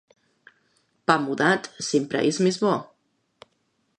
Pa mudat sempre és més bo.